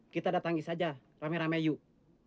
kita datangi saja rame rame yuk